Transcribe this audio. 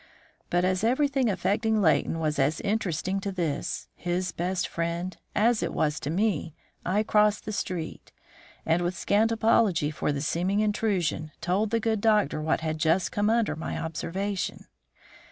But as everything affecting Leighton was as interesting to this, his best friend, as it was to me, I crossed the street, and, with scant apology for the seeming intrusion, told the good doctor what had just come under my observation.